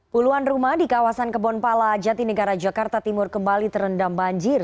puluhan rumah di kawasan kebonpala jati negara jakarta timur kembali terendam banjir